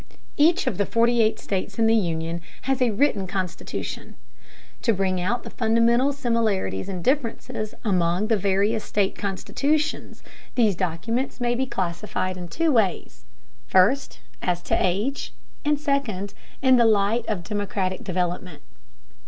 Each of the forty eight states in the Union has a written constitution. To bring out the fundamental similarities and differences among the various state constitutions, these documents may be classified in two ways, first as to age, and second, in the light of democratic development.